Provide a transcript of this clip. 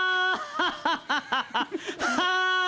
ハハハハハ！